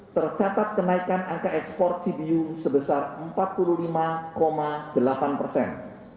tercatat kenaikan angka ekspor cbu sebesar empat puluh lima delapan persen